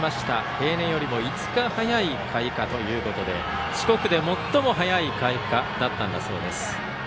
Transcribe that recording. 平年より５日早い開花ということで四国で最も早い開花だったんだそうです。